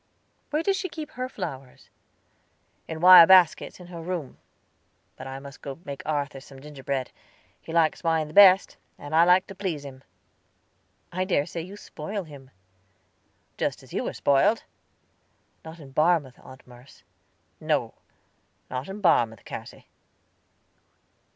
"Where does she keep her flowers?" "In wire baskets, in her room. But I must go to make Arthur some gingerbread. He likes mine the best, and I like to please him." "I dare say you spoil him." "Just as you were spoiled." "Not in Barmouth, Aunt Merce." "No, not in Barmouth, Cassy."